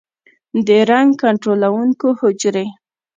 د رنګ کنټرولونکو حجرې